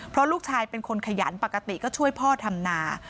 เพราะลูกชายเป็นคนขยันปกติก็ช่วยพ่อทำนา